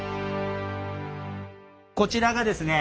こちらがですね